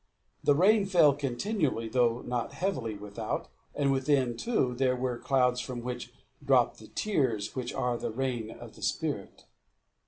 The rain fell continuously, though not heavily, without; and within, too, there were clouds from which dropped the tears which are the rain of the spirit.